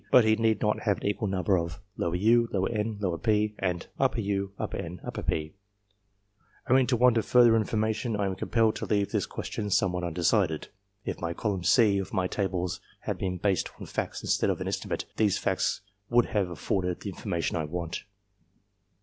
but he need not have an equal number u., n., p., and U., N., P. Owing to want of further in formation, I am compelled to leave this question somewhat undecided. If my column C of the tables had been based on facts instead of on estimate, those facts would have afforded the information I want.